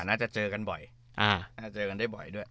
น่าจะเจอกันบ่อยน่าจะเจอกันได้บ่อยด้วย